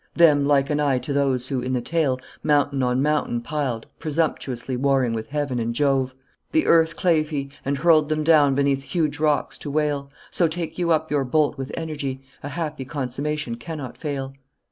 Them liken I to those who, in the tale, Mountain on mountain piled, presumptuously Warring with Heaven and Jove. The earth clave he, And hurled them down beneath huge rocks to wail: So take you up your bolt with energy; A happy consummation cannot fail.